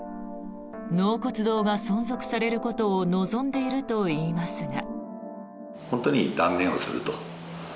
納骨堂が存続されることを望んでいるといいますが。